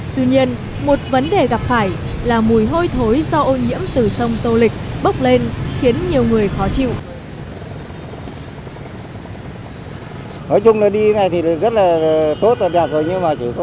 tuy nhiên một vấn đề gặp phải là mùi hôi thối do ô nhiễm từ sông tô lịch bốc lên khiến nhiều người khó chịu